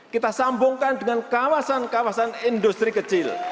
kita sambungkan dengan kawasan kawasan industri kecil